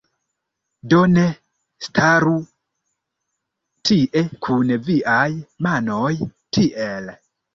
Do ne staru tie kun viaj manoj tiel